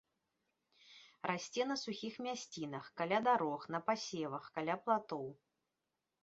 Расце на сухіх мясцінах, каля дарог, на пасевах, каля платоў.